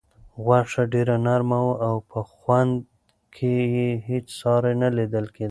غوښه ډېره نرمه وه او په خوند کې یې هیڅ ساری نه لیدل کېده.